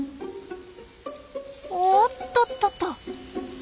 おっとっとっと。